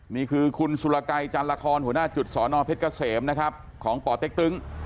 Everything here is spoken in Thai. นี่คือคุณสุรไกรจันละครหัวหน้าจุดสนเพชรเกษมของปเต๊กตึง